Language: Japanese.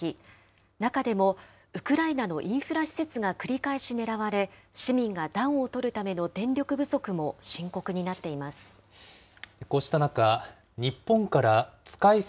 中でもウクライナのインフラ施設が繰り返し狙われ、市民が暖をとるための電力不足も深刻になっています。